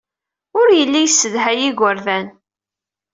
Ur yelli yessedhay igerdan.